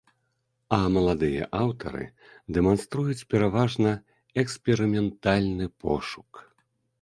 А маладыя аўтары дэманструюць пераважна эксперыментальны пошук.